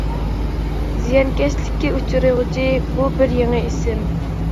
زىيانكەشلىككە ئۇچرىغۇچى، بۇ بىر يېڭى ئىسىم.